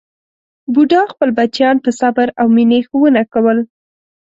بوډا خپل بچیان په صبر او مینې ښوونه کول.